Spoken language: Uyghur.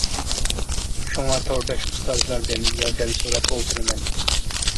شۇڭا تورداش ئۇستازلاردىن ياردەم سوراپ ئولتۇرىمەن.